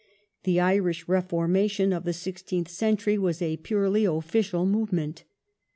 The Irish Reformation of the sixteenth century was a purely official movement.